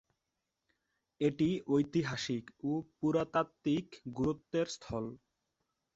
এটি ঐতিহাসিক ও পুরাতাত্ত্বিক গুরুত্বের স্থল।